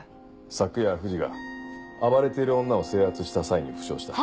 昨夜藤が暴れている女を制圧した際に負傷した。